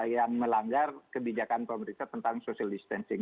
yang melanggar kebijakan pemerintah tentang social distancing